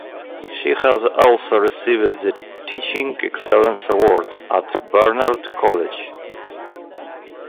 She has also received the Teaching Excellence Award at Barnard College.